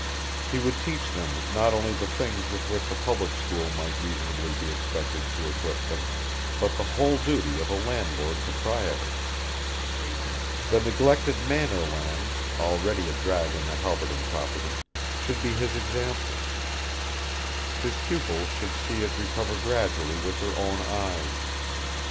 He would teach them not only the things with which a public school might reasonably be expected to equip them, but the whole duty of a landed proprietor. The neglected Manor lands, already a drag on the Halberton property, should be his example. His pupils should see it recover gradually with their own eyes.